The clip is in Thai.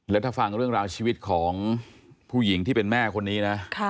แล้วถ้าฟังเรื่องราวชีวิตของผู้หญิงที่เป็นแม่คนนี้นะ